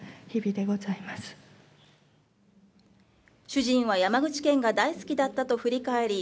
主人は山口県が大好きだったと振り返り